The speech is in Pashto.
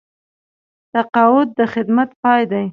تقاعد د خدمت پای دی